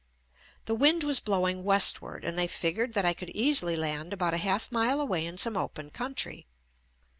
The wind was blowing westward and they figured that I could easily land about a half mile away in some open country.